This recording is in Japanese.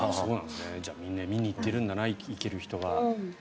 じゃあみんな見に行ってるんだな行ける人は。